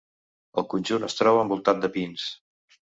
El conjunt es troba envoltat de pins.